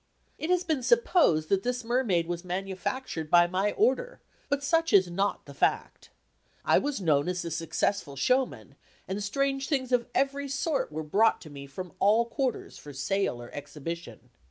It has been supposed that this mermaid was manufactured by my order, but such is not the fact. I was known as a successful showman, and strange things of every sort were brought to me from all quarters for sale or exhibition.